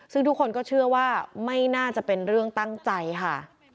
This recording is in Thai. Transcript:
ซึ่งทุกคนก็เชื่อว่าไม่น่าจะเป็นเรื่องตั้งใจค่ะ